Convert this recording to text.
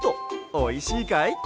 おいしいかい？